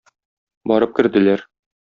Барып керделәр.